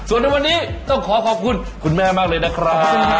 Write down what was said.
ส่วนในวันนี้ต้องขอขอบคุณคุณแม่มากเลยนะครับ